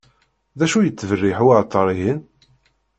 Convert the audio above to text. D acu yettberriḥ uεeṭṭar-ihin?